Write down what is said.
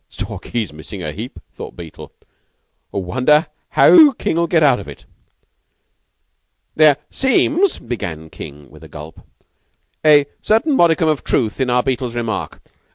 "Stalky's missing a heap," thought Beetle. "Wonder how King'll get out of it!" "There seems," King began with a gulp, "a certain modicum of truth in our Beetle's remark.